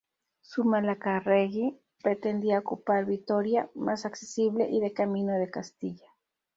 Zumalacárregui pretendía ocupar Vitoria, más accesible y de camino de Castilla.